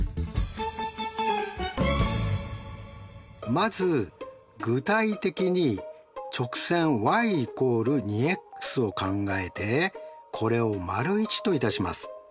まず具体的に直線ｙ＝２ｘを考えてこれを①といたします。